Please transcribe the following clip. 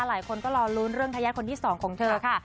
หลายคนก็รอลุ้นเรื่องทายาทคนที่๒ของเธอค่ะ